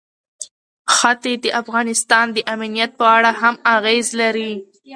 ښتې د افغانستان د امنیت په اړه هم اغېز لري.